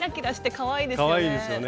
かわいいですよね。